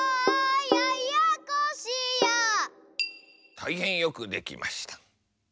たいへんよくできました。